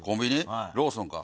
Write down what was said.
ローソンか。